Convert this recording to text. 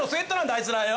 あいつらはよ。